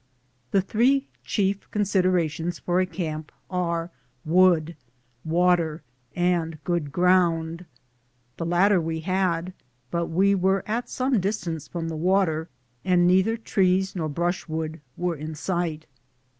The three chief considerations for a camp are wood, water, and good ground. The latter we had, but we were at some distance from the water, and neither trees nor brushwood were in sight.